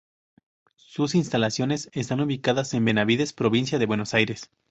Sus instalaciones están ubicadas en Benavídez, provincia de Buenos Aires.